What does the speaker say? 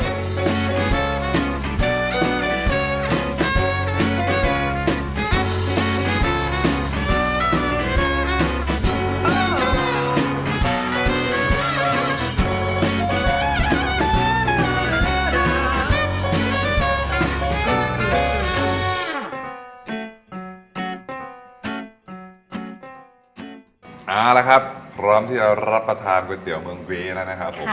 เอาละครับพร้อมที่จะรับประทานก๋วยเตี๋ยวเมืองวีแล้วนะครับผม